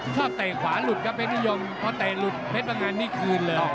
เตะขวาหลุดครับเพชรนิยมพอเตะหลุดเพชรพังงานนี่คืนเลย